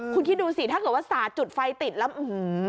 คุณคิดดูสิถ้าเกิดว่าสาดจุดไฟติดแล้วอื้อหือ